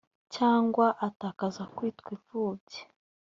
cyangwa atakaza kwitwa imfubyi